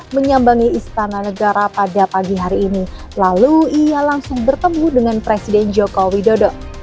menyambangi istana negara pada pagi hari ini lalu ia langsung bertemu dengan presiden joko widodo